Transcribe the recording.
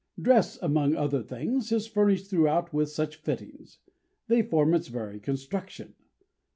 Dress, among other things, is furnished throughout with such fittings; they form its very construction.